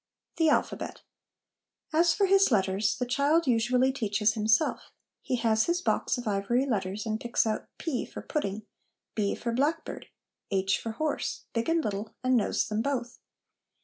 The Alphabet. As for his letters, the child usually teaches himself. He has his box of ivory letters, and picks out p for pudding, b for blackbird, h for horse, big and little, and knows them both.